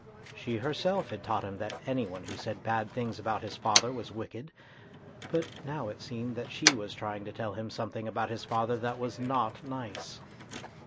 She herself had taught him that any one who said bad things about his father was wicked, but now it seemed that she was trying to tell him something about father that was not nice.